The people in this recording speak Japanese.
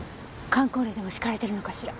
かん口令でも敷かれてるのかしら？